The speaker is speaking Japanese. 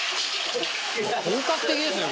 本格的ですね。